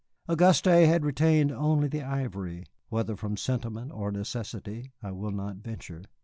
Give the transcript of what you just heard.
Auguste had retained only the ivory, whether from sentiment or necessity I will not venture.